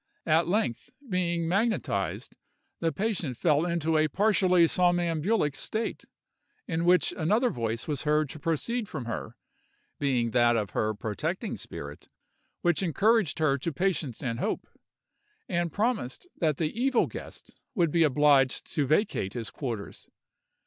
At length, being magnetized, the patient fell into a partially somnambulic state, in which another voice was heard to proceed from her, being that of her protecting spirit, which encouraged her to patience and hope, and promised that the evil guest would be obliged to vacate his quarters.